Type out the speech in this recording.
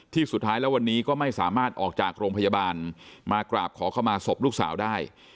สุดท้ายแล้ววันนี้ก็ไม่สามารถออกจากโรงพยาบาลมากราบขอเข้ามาศพลูกสาวได้